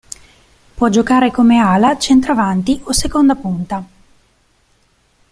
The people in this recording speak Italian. Può giocare come ala, centravanti o seconda punta.